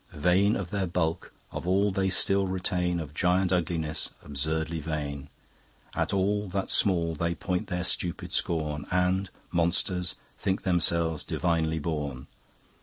Vain of their bulk, of all they still retain Of giant ugliness absurdly vain; At all that's small they point their stupid scorn And, monsters, think themselves divinely born.